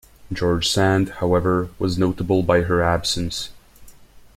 George Sand, however, was notable by her absence.